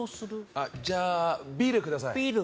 あじゃあビールくださいビール？